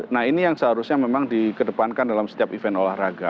nah ini yang seharusnya memang dikedepankan dalam setiap event olahraga